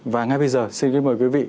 và ngay bây giờ xin gửi mời quý vị